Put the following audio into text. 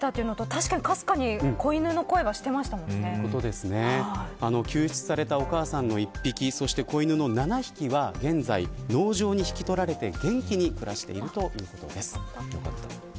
確かに、かすかに救出されたお母さんが１匹子犬の７匹は現在、農場に引き取られて元気に暮らしているということです。